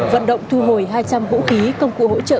vận động thu hồi hai trăm linh vũ khí công cụ hỗ trợ